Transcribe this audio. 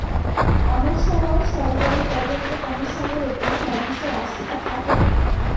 অনেক সময় সরকারি তদন্ত কমিশনের ওপর মানুষের আস্থা থাকে না।